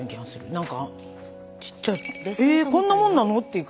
何かちっちゃいえこんなもんなのっていうか。